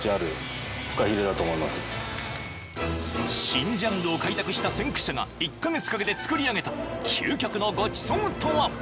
［新ジャンルを開拓した先駆者が１カ月かけて作り上げた究極のごちそうとは？］